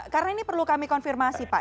karena ini perlu kami konfirmasi pak